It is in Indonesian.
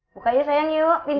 buka yuk sayang yuk pintunya